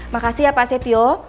makasih ya pak setio